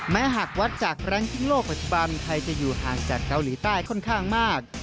หากวัดจากแรงกิ้งโลกปัจจุบันไทยจะอยู่ห่างจากเกาหลีใต้ค่อนข้างมาก